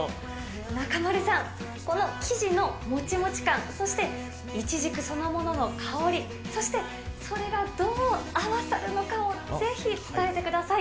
中丸さん、この生地のもちもち感、そしていちじくそのものの香り、そしてそれがどう合わさるのかを、ぜひ伝えてください。